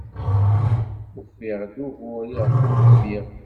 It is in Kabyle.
Ufiɣ-d ugur iɣef ur dmiɣ.